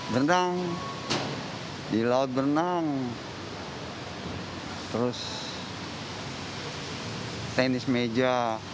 bernang di laut bernang terus tenis meja